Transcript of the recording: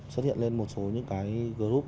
xuất hiện lên một số những group